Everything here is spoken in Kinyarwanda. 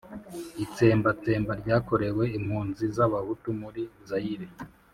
itsembatsemba ryakorewe impunzi z'abahutu muri zayire